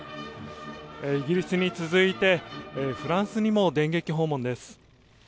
イギリスに続いてフランスにも電撃訪問です。